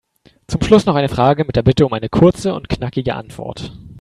Zum Schluss noch eine Frage mit der Bitte um eine kurze und knackige Antwort.